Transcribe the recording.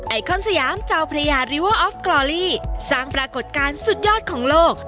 คอนสยามเจ้าพระยาริเวอร์ออฟกรอลี่สร้างปรากฏการณ์สุดยอดของโลก